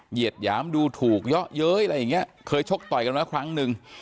เหยียดหยามดูถูกเยอะเย้ยอะไรอย่างเงี้เคยชกต่อยกันมาครั้งหนึ่ง